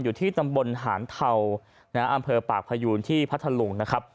อยู่ที่ตำบลหานเทาอำเภอปากพยูนที่พัทธลุงนะครับ